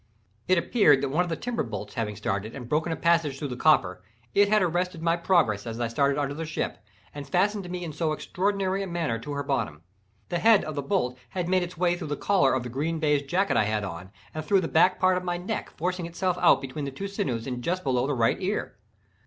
It appeared that one of the timber bolts having started and broken a passage through the copper, it had arrested my progress as I passed under the ship, and fastened me in so extraordinary a manner to her bottom. The head of the bolt had made its way through the collar of the green baize jacket I had on, and through the back part of my neck, forcing itself out between two sinews and just below the right ear.